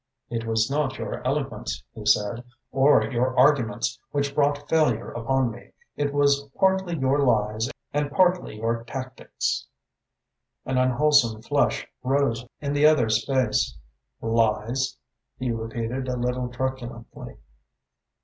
"It was not your eloquence," he said, "or your arguments, which brought failure upon me. It was partly your lies and partly your tactics." An unwholesome flush rose in the other's face. "Lies?" he repeated, a little truculently.